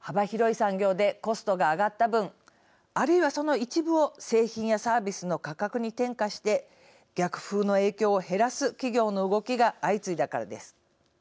幅広い産業でコストが上がった分あるいはその一部を製品やサービスの価格に転嫁して逆風の影響を減らす企業の動きが相次いだからです。